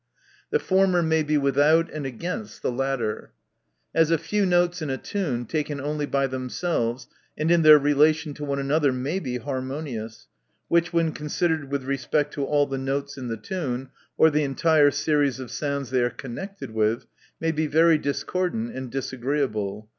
The former may be without and against the latter. As, a few notes in a tune, taken only by themselves, and in their relation to one another, may be harmonious; which when considered with respect to all the notes in the tune, or the entire series of sounds they are con nected with. m?.y be very discordant and disagreeable.